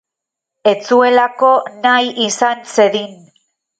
Ez zuelako nahi izan zedin.